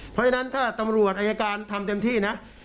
เพราะฉะนั้นถ้าตำรวจอายการทำเต็มที่นะ